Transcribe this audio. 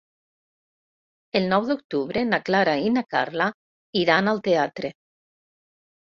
El nou d'octubre na Clara i na Carla iran al teatre.